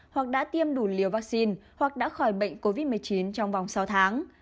hoặc đã tiêm đủ liều vaccine hoặc đã khỏi bệnh covid một mươi chín trong vòng sáu tháng